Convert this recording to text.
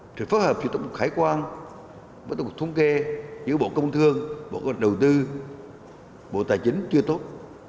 trường pháp hợp cho tổng cục khải quan tổng cục thống kê giữa bộ công thương bộ tài chính chưa tốt